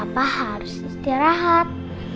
papa harus istirahat